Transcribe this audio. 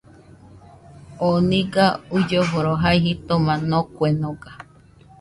Oo nɨga uilloforo jai jitoma noguenoga